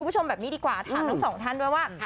ผู้ชมแบบนี้ดีกว่าอาจารย์ถามทุกสองท่านด้วยว่า